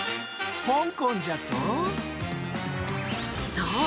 そう！